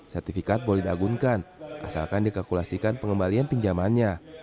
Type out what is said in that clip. sertifikat boleh diagunkan asalkan dikalkulasikan pengembalian pinjamannya